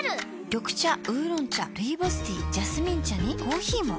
緑茶烏龍茶ルイボスティージャスミン茶にコーヒーも。